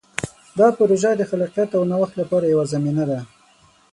دا پروژه د خلاقیت او نوښت لپاره یوه زمینه ده.